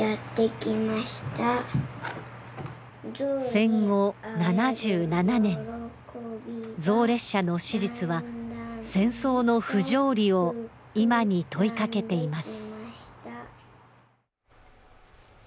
戦後７７年、象列車の史実は戦争の不条理を今に問いかけています。